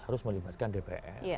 harus melibatkan dpr